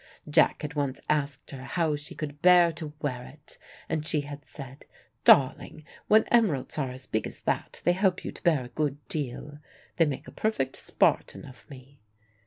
Jack had once asked her how she could bear to wear it, and she had said: "Darling, when emeralds are as big as that, they help you to bear a good deal. They make a perfect Spartan of me."